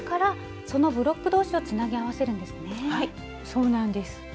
そうなんです。